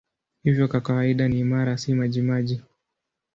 Hivyo kwa kawaida ni imara, si majimaji.